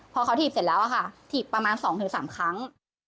พอเขาถีบเสร็จแล้วค่ะถีบประมาณ๒๓ครั้ง